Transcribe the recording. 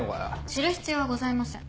知る必要はございません。